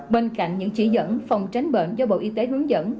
bên cạnh những chỉ dẫn phòng tránh bệnh do bộ y tế hướng dẫn